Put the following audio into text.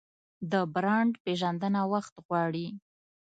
د برانډ پیژندنه وخت غواړي.